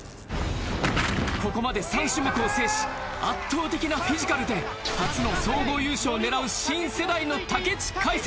ここまで３種目を制し圧倒的なフィジカルで初の総合優勝を狙う新世代の武知海